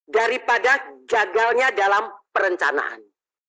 daripada jagalnya dalam perencanaan